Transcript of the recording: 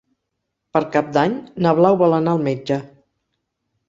Per Cap d'Any na Blau vol anar al metge.